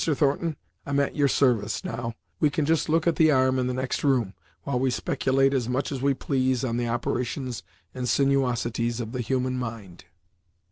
Thornton, I'm at your service, now; we can just look at the arm in the next room, while we speculate as much as we please on the operations and sinuosities of the human mind."